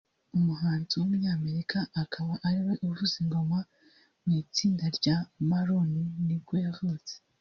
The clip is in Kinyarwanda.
umuhanzi w’umunyamerika akaba ariwe uvuza ingoma mu itsinda rya Maroon nibwo yavutse